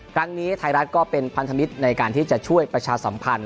ไทยรัฐก็เป็นพันธมิตรในการที่จะช่วยประชาสัมพันธ